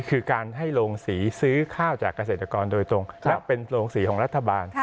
คือการให้โรงสีซื้อข้าวจากเกษตรกรโดยตรงและเป็นโรงสีของรัฐบาล